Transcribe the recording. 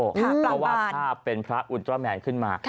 เพราะว่าภาพเป็นพระอุณตราแมนขึ้นมา